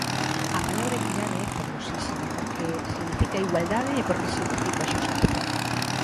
A palabra equidade é fermosísima porque significa igualdade e porque significa xustiza.